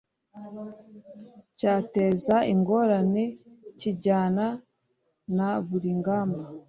cyateza ingorane kijyana na buri ngamba